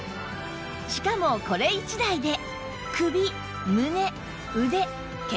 しかもこれ１台で